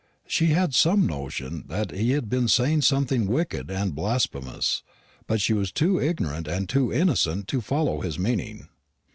She had some notion that he had been saying something wicked and blasphemous; but she was too ignorant and too innocent to follow his meaning.